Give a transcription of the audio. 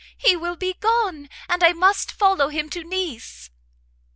he will be gone! and I must follow him to Nice!"